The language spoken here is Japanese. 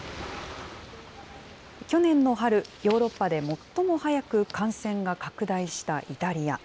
去年の春、ヨーロッパで最も早く感染が拡大したイタリア。